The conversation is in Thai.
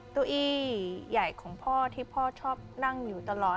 เก้าอี้ใหญ่ของพ่อที่พ่อชอบนั่งอยู่ตลอด